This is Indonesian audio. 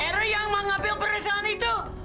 era yang mengambil perhiasan itu